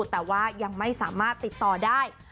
แต่ว่ายังไม่สามารถติดต่อได้